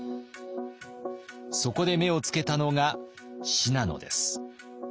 そこで目をつけたのが信濃です。